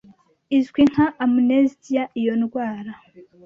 izwi nka Amnesia iyo ndwara